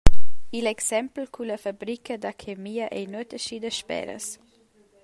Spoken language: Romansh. Igl exempel culla fabrica da chemia ei nuota schi dasperas.